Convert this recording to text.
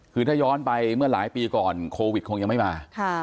คือถ้าย้อนไปเมื่อหลายปีก่อนโควิดคงยังไม่มา